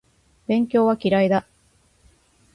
勉強は嫌いだ